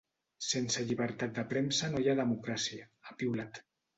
“Sense llibertat de premsa no hi ha democràcia”, ha piulat.